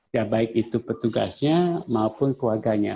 ya baik itu petugasnya maupun keluarganya